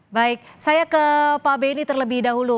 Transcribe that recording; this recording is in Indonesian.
baik saya ke pak benny terlebih dahulu